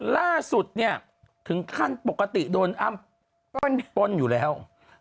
ล่าสุดเนี่ยถึงขั้นปกติโดนอ้ำป้นอยู่แล้ว